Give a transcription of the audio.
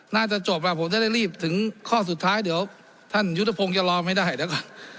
น่าจะจบผมจะได้รีบถึงข้อสุดท้ายเดี๋ยวท่านยุทธพงศ์จะรอไม่ได้เดี๋ยวก่อน